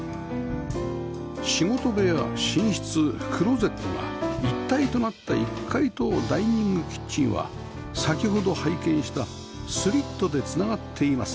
仕事部屋寝室クローゼットが一体となった１階とダイニングキッチンは先ほど拝見したスリットで繋がっています